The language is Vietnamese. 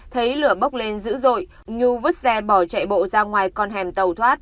thấy lửa bốc lên dữ dội nhu vứt xe bỏ chạy bộ ra ngoài con hẻm tàu thoát